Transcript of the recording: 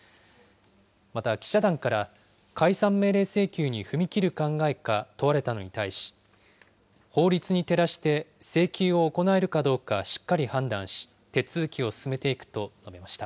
また、記者団から、解散命令請求に踏み切る考えか問われたのに対し、法律に照らして請求を行えるかどうかしっかり判断し、手続きを進めていくと述べました。